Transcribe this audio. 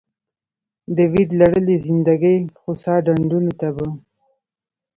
د ویرلړلې زندګي خوسا ډنډونو ته به